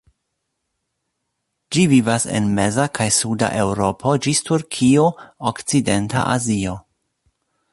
Ĝi vivas en meza kaj suda Eŭropo ĝis Turkio, okcidenta Azio.